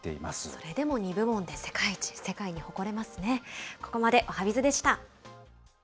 それでも２部門で世界一、世界に誇れますね。